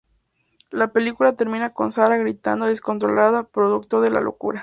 La película termina con Sara gritando descontrolada, producto de la locura.